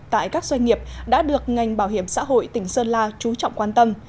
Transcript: tại các doanh nghiệp đã được ngành bảo hiểm xã hội tỉnh sơn la trú trọng quan tâm